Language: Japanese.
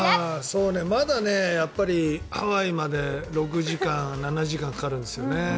まだ、ハワイまで６時間から７時間かかるんですね。